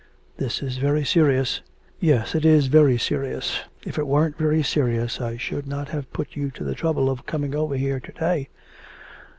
'This is very serious.' 'Yes, it is very serious. If it weren't very serious I should not have put you to the trouble of coming over here to day.'